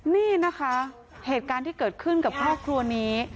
นี่นะคะเหตุการณ์ที่เกิดขึ้นกับครอบครัวนี้